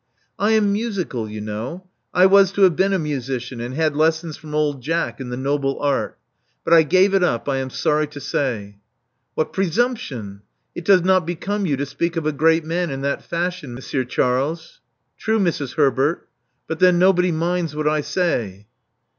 I am musical, you know. I was to have been a musician, and had lessons from old Jack in the noble art. But I gave it up, I am sorry to say." What presumption! It does not become you to speak of a great man in that fashion. Monsieur Charles." True, Mrs. Herbert. But then nobody minds what I say."